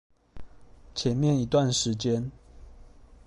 前面一段時間